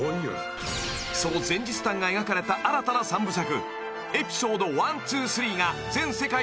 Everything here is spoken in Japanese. ［その前日譚が描かれた新たな３部作エピソード１２３が全世界で公開］